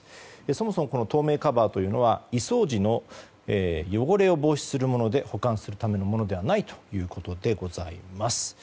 そもそもこの透明カバーというのは移送時の汚れを防止するもので保管するためのものではないということでございます。